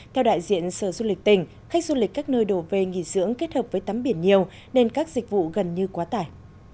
theo đại diện sở du lịch tỉnh khách du lịch các nơi đổ về nghỉ dưỡng kết hợp với tắm biển nhiều nên các dịch vụ gần như quá tải